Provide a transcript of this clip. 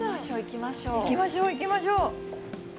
行きましょう、行きましょう。